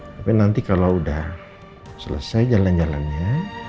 tapi nanti kalau sudah selesai jalan jalannya